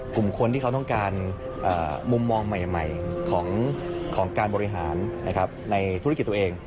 กลุ่มคนที่เขาต้องการมุมมองใหม่ของการบริหารในธุรกิจตัวเอง